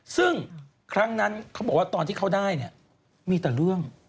ซึ่งครั้งนั้นเขาบอกว่าตอนที่เขาได้เนี่ยมีแต่เรื่อง